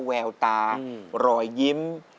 แววตารอยยิ้ม